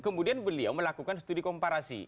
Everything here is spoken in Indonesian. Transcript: kemudian beliau melakukan studi komparasi